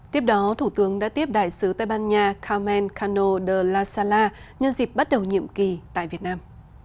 tiếp đó thủ tướng đã tiếp đại sứ tây ban nha carmen cano de la sala nhân dịp bắt đầu nhiệm kỳ tại việt nam